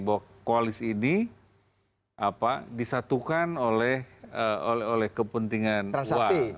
bahwa koalisi ini disatukan oleh kepentingan uang